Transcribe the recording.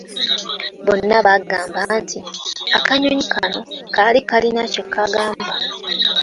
Bonna baagamba nti akanyonyi kano kaali kalina kye kagamba.”